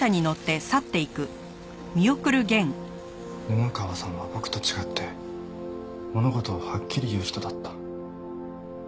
布川さんは僕と違って物事をはっきり言う人だった。